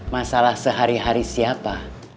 masalah sehari hari siapa